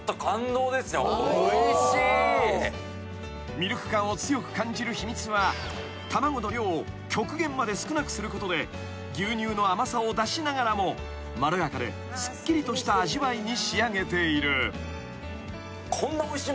［ミルク感を強く感じる秘密は卵の量を極限まで少なくすることで牛乳の甘さを出しながらもまろやかですっきりとした味わいに仕上げている］